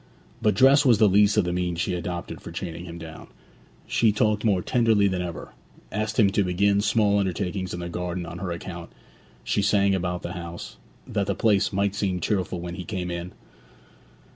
But dress was the least of the means she adopted for chaining him down. She talked more tenderly than ever; asked him to begin small undertakings in the garden on her account; she sang about the house, that the place might seem cheerful when he came in.